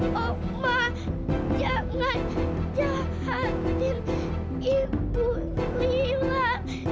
ma ma jangan jangan diri ibu lila jangan